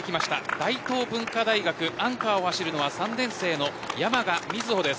大東文化大学、アンカーを走るのは３年生の山賀瑞穂です。